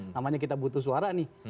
namanya kita butuh suara nih